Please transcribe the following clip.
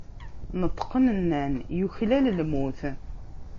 Neṭqen, nnan: Yuklal lmut.